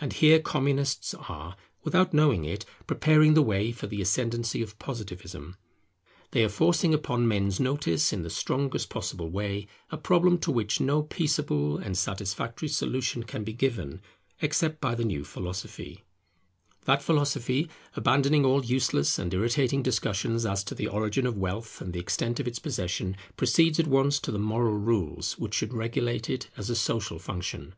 And here Communists are, without knowing it, preparing the way for the ascendancy of Positivism. They are forcing upon men's notice in the strongest possible way a problem to which no peaceable and satisfactory solution can be given, except by the new philosophy. [Property is a public trust, not to be interfered with legally] That philosophy, abandoning all useless and irritating discussion as to the origin of wealth and the extent of its possession, proceeds at once to the moral rules which should regulate it as a social function.